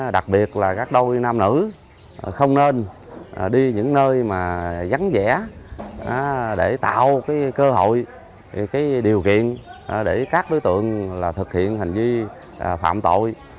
đặc biệt là các đôi nam nữ không nên đi những nơi vắng vẻ để tạo cơ hội điều kiện để các đối tượng thực hiện hành vi phạm tội